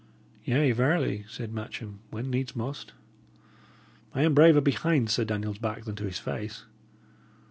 "Yea, verily," said Matcham, "when needs must! I am braver behind Sir Daniel's back than to his face."